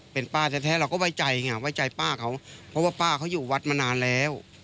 เป็นป้าแท้เราก็ไว้ใจไงไว้ใจป้าเขาเพราะว่าป้าเขาอยู่วัดมานานแล้ว